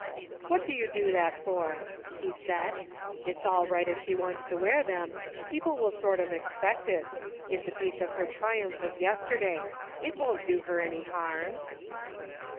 " What do you do that for? " he said. " It's all right if she wants to wear them. People will sort of expect it. It's a piece of her triumph of yesterday. It won't do her any harm."